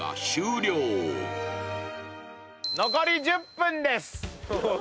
残り１０分です。